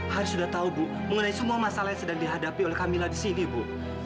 hari sudah tahu bu mengenai semua masalah yang sedang dihadapi oleh kamila di sini bu